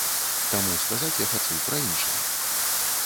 Таму сказаць я хачу пра іншае.